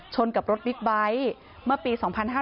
กับรถบิ๊กไบท์เมื่อปี๒๕๕๙